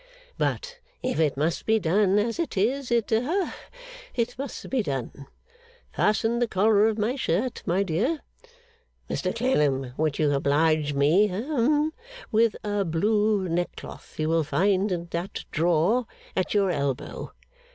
But if it must be done as it is, it ha it must be done. Fasten the collar of my shirt, my dear. Mr Clennam, would you oblige me hum with a blue neckcloth you will find in that drawer at your elbow.